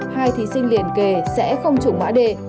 hai thí sinh liên kề sẽ không chủng mã đề